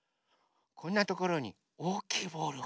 こんなところにおおきいボール。